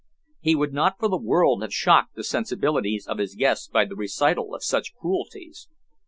He would not for the world have shocked the sensibilities of his guests by the recital of such cruelties.